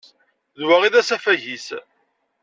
D wa i d asafag-is.